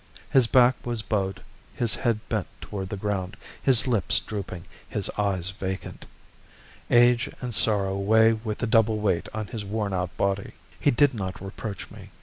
His back was bowed, his head bent toward the ground, his lips drooping, his eyes vacant. Age and sorrow weigh with a double weight on his worn out body. He did not reproach me.